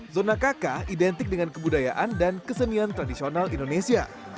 zona kk identik dengan kebudayaan dan kesenian tradisional indonesia